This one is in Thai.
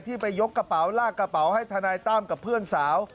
ไปยกกระเป๋าลากกระเป๋าให้ทนายตั้มกับเพื่อนสาว